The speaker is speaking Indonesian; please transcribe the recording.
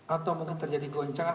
atau mungkin terjadi goncangan